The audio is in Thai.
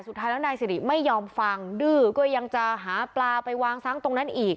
สุดท้ายแล้วนายสิริไม่ยอมฟังดื้อก็ยังจะหาปลาไปวางซ้ำตรงนั้นอีก